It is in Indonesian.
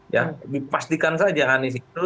ya dipastikan saja anies itu